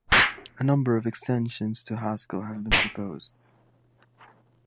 A number of extensions to Haskell have been proposed.